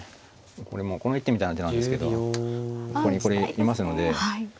これもうこの一手みたいな手なんですけどここにこれいますので。